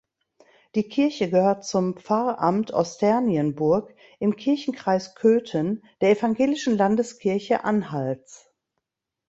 Die Kirche gehört zum Pfarramt Osternienburg im Kirchenkreis Köthen der Evangelischen Landeskirche Anhalts.